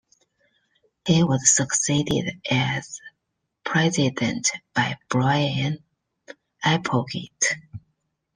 He was succeeded as president by Brian Applegate.